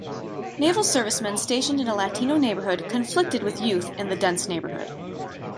Naval servicemen stationed in a Latino neighborhood conflicted with youth in the dense neighborhood.